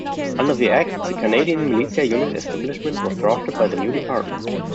Under the act, the Canadian Militia unit establishment was drafted by the new department.